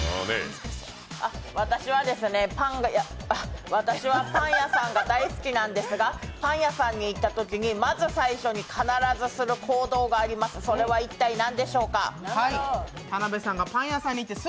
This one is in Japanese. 私はパンがあっ、パン屋さんが大好きなんですがパン屋さんに行ったときにまず最初に必ずする行動があります、それは一体何でしょうか？